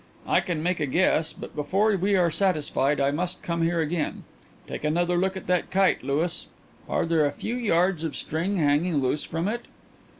"I can make a guess, but before we are satisfied I must come here again. Take another look at that kite, Louis. Are there a few yards of string hanging loose from it?"